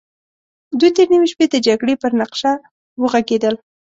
دوی تر نيمې شپې د جګړې پر نخشه وغږېدل.